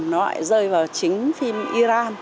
nó lại rơi vào chính phim iran